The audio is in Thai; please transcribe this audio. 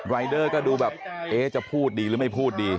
รายเดอร์ก็ดูแบบเอ๊ะจะพูดดีหรือไม่พูดดี